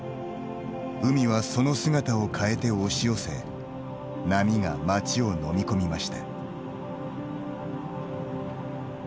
海はその姿を変えて押し寄せ波が町を飲み込みました。